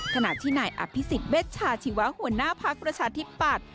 ขณะที่นายอภิษฎเวชชาชีวะหัวหน้าพักประชาธิปัตย